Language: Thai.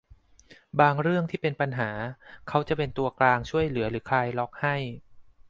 บางเรื่องที่เป็นปัญหาเขาจะเป็นตัวกลางช่วยเหลือหรือคลายล็อกให้